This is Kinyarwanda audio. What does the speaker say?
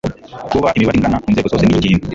Kuba imibare ingana ku nzego zose ni ikintu